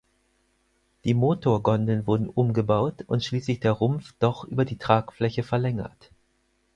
Die Motorgondeln wurden umgebaut und schließlich der Rumpf doch über die Tragfläche verlängert.